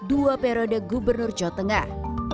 dua periode gubernur jawa tengah